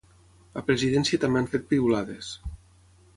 A Presidència també han fet piulades.